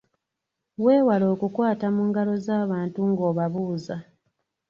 Weewale okukwata mu ngalo z'abantu ng'obabuuza.